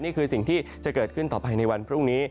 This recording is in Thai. นี่คือสิ่งที่จะเกิดขึ้นต่อไปในวันพรุ่งนี้